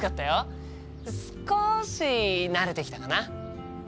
少し慣れてきたかな。